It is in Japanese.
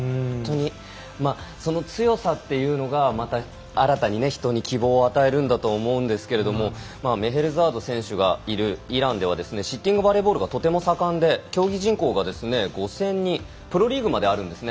その強さというのがまた新たに人に希望を与えるんだと思うんですがメヘルザード選手がいるイランではシッティングバレーボールがとても盛んで競技人口が５０００人プロリーグまであるんですね。